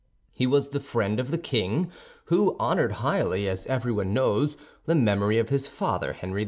He was the friend of the king, who honored highly, as everyone knows, the memory of his father, Henry IV.